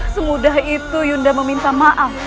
semudah itu yunda meminta maaf